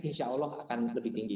insya allah akan lebih tinggi